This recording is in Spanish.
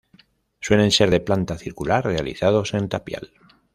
Suelen ser de planta circular realizados en tapial.